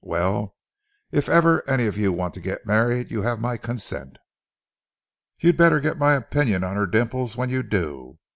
—Well, if ever any of you want to get married you have my consent. But you'd better get my opinion on her dimples when you do.